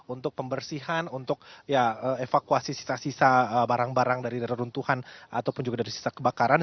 untuk pembersihan untuk evakuasi sisa sisa barang barang dari reruntuhan ataupun juga dari sisa kebakaran